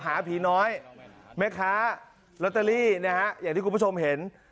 หาผีน้อยแม่ค้าลอตเตอรี่นะฮะอย่างที่คุณผู้ชมเห็น